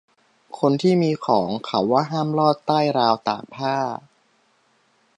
คนที่มีของ เขาว่าห้ามลอดใต้ราวตากผ้า